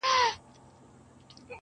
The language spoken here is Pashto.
چرګه زما ده او هګۍ د بل کره اچوي -